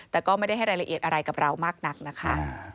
แต่ก็ไม่ได้ให้รายละเอียดอะไรกับเรามากนักนะคะ